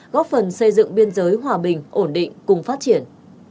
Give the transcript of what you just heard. góp phần xây dựng biên giới hòa bình ổn định cùng phát triển